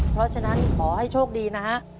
เพราะฉะนั้นขอให้โชคดีนะฮะ